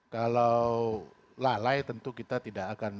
kalau lalai tentu kita tidak akan